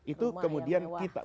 itu kemudian kita